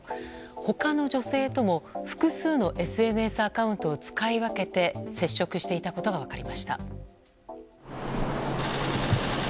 他の女性とも、複数のＳＮＳアカウントを使い分けて接触していたことが分かりました。